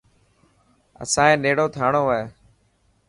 اسانڻي نيڙو ٿانڙو هي.